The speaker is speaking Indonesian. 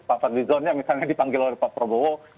pak fadlizon yang misalnya dipanggil oleh pak prabowo